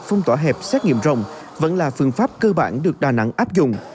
không tỏa hẹp xét nghiệm rộng vẫn là phương pháp cơ bản được đà nẵng áp dụng